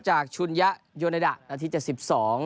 จากชุญยะยูเลระไดะตราติศาสตร์๑๒